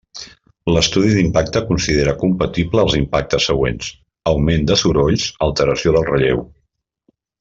L'estudi d'impacte considera compatible els impactes següents: augment de sorolls, alteració del relleu.